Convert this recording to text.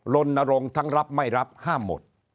ลนรงค์ทั้งรับไม่รับห้ามหมด